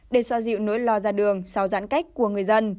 để xoa dịu nỗi lo ra đường sau giãn cách của người dân